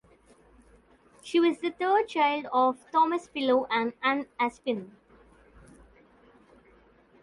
She was the third child of Thomas Pillow and Ann Aspin.